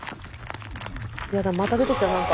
やだまた出てきた何か。